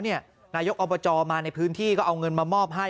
นายกอบจมาในพื้นที่ก็เอาเงินมามอบให้